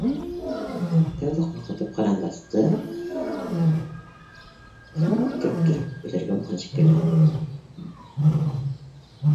Тәүҙә ҡурҡытып кырандасты и,ша төрттөрөп үтергә булған шикелле